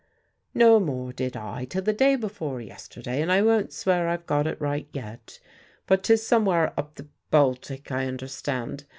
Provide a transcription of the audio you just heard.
"No more did I till the day before yesterday, and I won't swear I've got it right yet. But 'tis somewhere up the Baltic I understand.